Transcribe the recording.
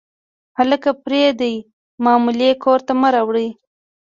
هلکه، پردۍ معاملې کور ته مه راوړه.